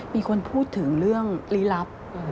มีคนพูดถึงเรื่องลี้ลับ